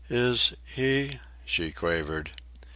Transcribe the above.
"Is—he?" she quavered.